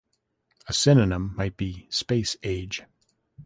A synonym might be space-age.